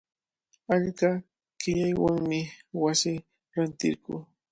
Achka qillaywanmi wasita rantirquu.